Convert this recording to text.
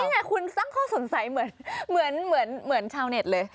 นี่ไงคุณสร้างข้อสงสัยเหมือนชาวเน็ตเลย